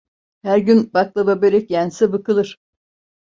Her gün baklava börek yense bıkılır.